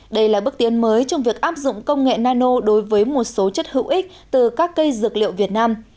đây là bước tiến mới trong việc áp dụng công nghệ nano đối với một số chất hữu ích từ các cây dược liệu việt nam